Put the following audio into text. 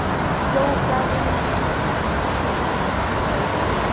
Йолда дене мемнан декат миялза!